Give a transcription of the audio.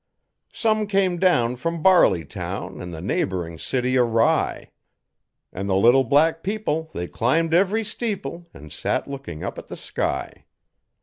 Some came down from Barleytown an' the neighbouring city o' Rye. An' the little black people they climbed every steeple An' sat looking up at the sky.